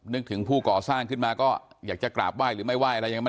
นึกถึงผู้ก่อสร้างขึ้นมาก็อยากจะกราบไหว้หรือไม่ไหว้อะไรยังไง